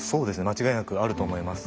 間違いなくあると思います。